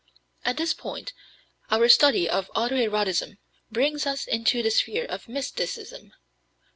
At this point our study of auto erotism brings us into the sphere of mysticism.